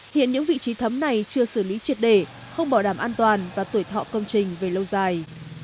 hiện những vị trí thấm này chưa xử lý triệt để không bảo đảm an toàn và tuổi thọ công trình về lâu dài